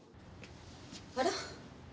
あら？